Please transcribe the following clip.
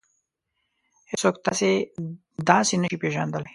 هېڅوک تاسې داسې نشي پېژندلی.